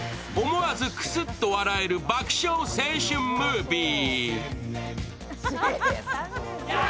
思わずクスッと笑える爆笑青春ムービー。